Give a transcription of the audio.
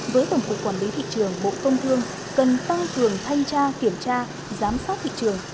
với tổng cục quản lý thị trường bộ công thương cần tăng cường thanh tra kiểm tra giám sát thị trường